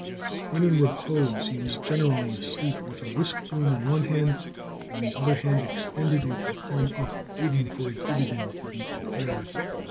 When in repose he was generally asleep with a whisk broom in one hand and the other hand extended with the palm up, waiting for a dividend to be declared.